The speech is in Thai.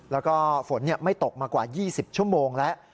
แล้วก็ฝนไม่ตกมากว่า๒๐ชั่วโมงแล้ว